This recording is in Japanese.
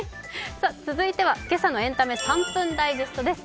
続いては「けさのエンタメ３分ダイジェスト」です。